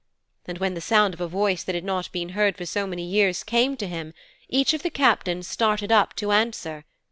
And when the sound of a voice that had not been heard for so many years came to him each of the captains started up to answer.